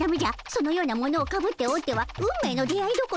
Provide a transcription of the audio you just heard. そのようなものをかぶっておっては運命の出会いどころかだれもよりつかぬでおじゃる！